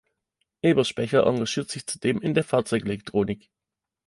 Eberspächer engagiert sich zudem in der Fahrzeugelektronik.